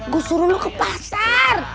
gua suruh lu ke pasar